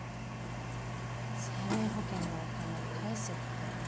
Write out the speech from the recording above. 生命保険のお金返せって。